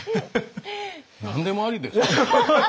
何でもありですね。